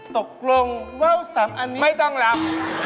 ตกลงว่าว๓อันนี้ไม่ต้องรับ